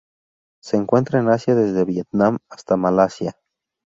Se encuentra en Asia desde Vietnam hasta Malasia.